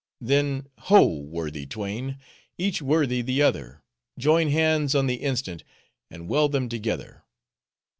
Then, Ho! worthy twain! Each worthy the other, join hands on the instant, and weld them together.